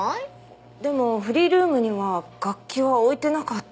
でもフリールームには楽器は置いてなかった。